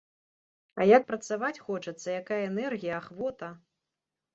А як працаваць хочацца, якая энергія, ахвота!